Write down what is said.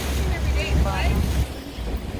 Wê barand.